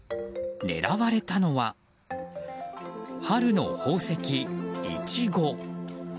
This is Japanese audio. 狙われたのは春の宝石イチゴ。